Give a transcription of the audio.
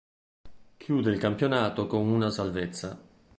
Chiude il campionato con una salvezza.